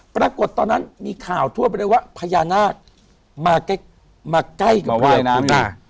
ปรากฏตอนนั้นมีข่าวทั่วไปเลยว่าพญานาคมาใกล้มาใกล้กับว่ายน้ำ